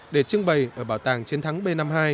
để trưng bày ở bảo tàng chiến thắng b năm mươi hai